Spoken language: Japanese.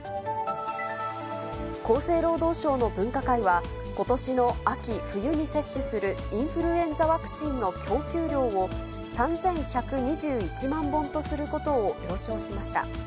厚生労働省の分科会はことしの秋冬に接種するインフルエンザワクチンの供給量を３１２１万本とすることを了承しました。